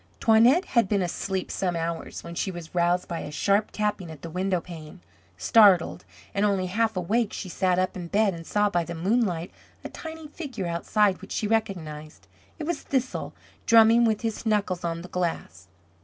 Toinette had been asleep some hours when she was roused by a sharp tapping at the window pane. Startled, and only half awake, she sat up in bed and saw by the moonlight a tiny figure outside which she recognized. It was Thistle drumming with his knuckles on the glass.